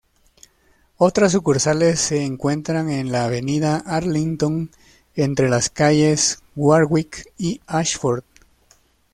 Otras sucursales se encuentran en la avenida Arlington entre las calles Warwick y Ashford.